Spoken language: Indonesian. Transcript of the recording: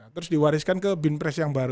terus diwariskan ke binpres yang baru